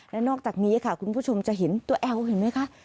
และนอกจากนี้ค่ะคุณผู้ชมจะเห็นตัวแอลเห็นไหมคะ